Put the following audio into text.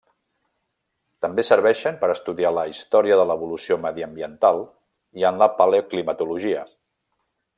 També serveixen per estudiar la història de l'evolució mediambiental i en la paleoclimatologia.